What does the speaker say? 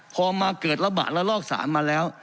พอมาเกิดระบาดแล้วลอกสารมาแล้ว